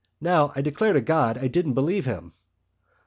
Now, I declare to God I didn't believe him."